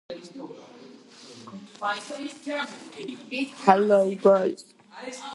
ისინი თავდაპირველად ნიუ-ორლეანში დასახლდნენ, შემდეგ კი ტეხასში გადაინაცვლეს.